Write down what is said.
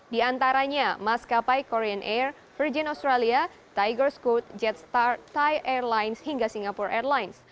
di antaranya maskapai korean air virgin australia tiger scode jetstart thai airlines hingga singapore airlines